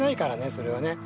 それはね。